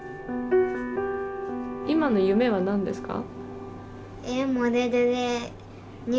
今の夢はなんですか？